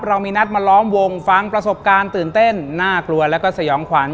เรามีนัดมาล้อมวงฟังประสบการณ์ตื่นเต้นน่ากลัวแล้วก็สยองขวัญ